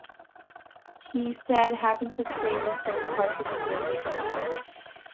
He said having to scream in certain parts of the game was difficult.